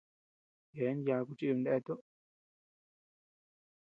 Yebean yaaku chíba neatuu.